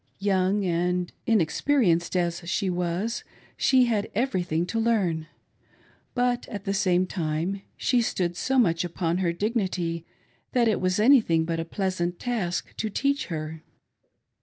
Young' and inexperienced as she was, she had everything to learn ; but, at the same time, she stood so much upon her dignity that it' was anything but a pleasant task to teach her.